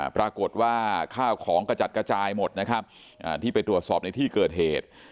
ปรากฏว่าข้าวของกระจัดกระจายหมดนะครับที่ไปตรวจสอบในที่เกิดเหตุ